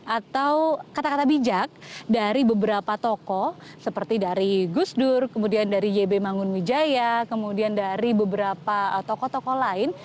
atau kata kata bijak dari beberapa toko seperti dari gus dur kemudian dari yb mangunwijaya kemudian dari beberapa toko toko lain